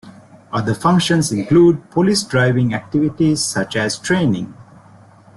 Other functions include police driving activities such as training.